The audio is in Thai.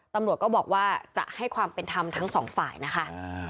ตำรวจก็บอกว่าจะให้ความเป็นธรรมทั้งสองฝ่ายนะคะ